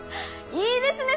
いいですね